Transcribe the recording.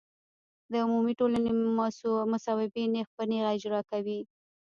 د عمومي ټولنې مصوبې نېغ په نېغه اجرا کوي.